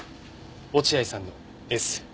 落合さんのエス。